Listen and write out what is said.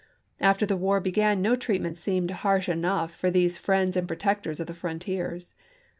After the war p 288. ' began no treatment seemed harsh enough for these friends and protectors of the frontiers.